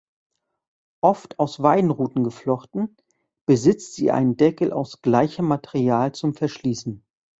Oft aus Weidenruten geflochten, besitzt sie einen Deckel aus gleichem Material zum Verschließen.